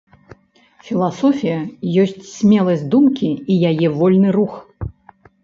Філасофія ёсць смеласць думкі і яе вольны рух.